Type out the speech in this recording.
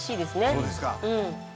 そうですか。